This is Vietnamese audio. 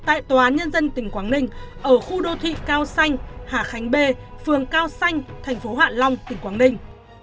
tại tòa án nhân dân tỉnh quảng ninh ở khu đô thị cao xanh hà khánh b phường cao xanh thành phố hạ long tỉnh quảng ninh